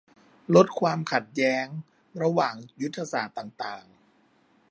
ลดความขัดแย้งระหว่างยุทธศาสตร์ต่างต่าง